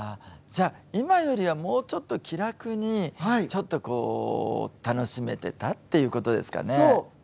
じゃあ、今よりは、もうちょっと気楽に、ちょっと楽しめてたっていうことですかね。